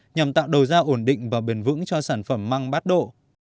nhằm tạo đầu giao ổn định và bền vững cho sản phẩm măng bắt độ